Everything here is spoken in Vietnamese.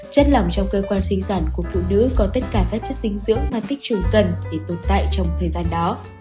chất lỏng trong cơ quan sinh sản của phụ nữ có tất cả các chất sinh dưỡng mà tích trùng cần để tồn tại trong thời gian đó